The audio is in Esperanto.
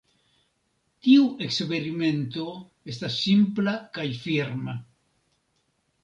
Tiu eksperimento estas simpla kaj firma.